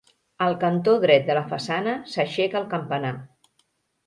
Al cantó dret de la façana s'aixeca el campanar.